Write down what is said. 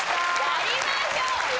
やりましょうよ。